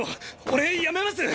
俺辞めます！